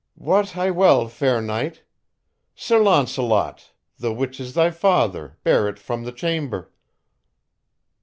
"Wot I well, fair knight. Sir Launcelot, the which is thy father, bare it from the chamber."